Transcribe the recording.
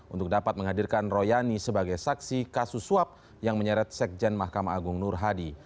untuk dapat menghadirkan royani sebagai saksi kasus suap yang menyeret sekjen mahkamah agung nur hadi